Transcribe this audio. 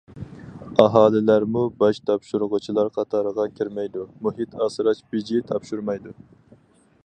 ئاھالىلەرمۇ باج تاپشۇرغۇچىلار قاتارىغا كىرمەيدۇ، مۇھىت ئاسراش بېجى تاپشۇرمايدۇ.